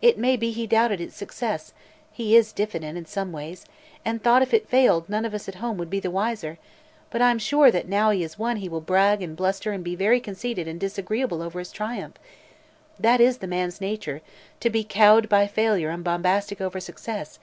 It may be he doubted its success he is diffident in some ways and thought if it failed none of us at home would be the wiser; but I'm sure that now he has won he will brag and bluster and be very conceited and disagreeable over his triumph. That is the man's nature to be cowed by failure and bombastic over success.